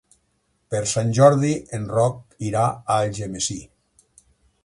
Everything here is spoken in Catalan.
Per Sant Jordi en Roc irà a Algemesí.